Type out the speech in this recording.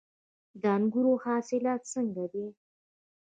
د انګورو حاصلات څنګه دي؟